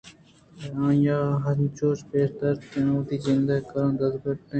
آئی ءَانچوش پیش داشت کہ آ وتی جند ءِ کاراں دزگٹّ اِنت